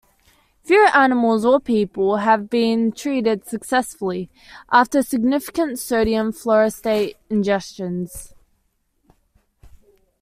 Few animals or people have been treated successfully after significant sodium fluoroacetate ingestions.